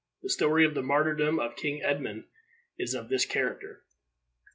The story of the martyrdom of King Edmund is of this character.